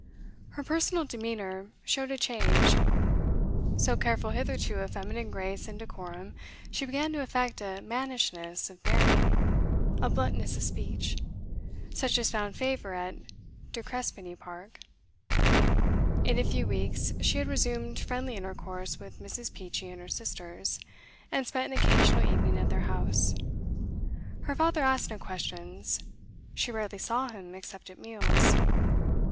Her personal demeanour showed a change. So careful hitherto of feminine grace and decorum, she began to affect a mannishness of bearing, a bluntness of speech, such as found favour at De Crespigny Park. In a few weeks she had resumed friendly intercourse with Mrs. Peachey and her sisters, and spent an occasional evening at their house. Her father asked no questions; she rarely saw him except at meals.